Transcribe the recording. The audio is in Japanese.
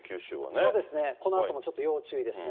そうですね、このあともちょっと要注意ですね。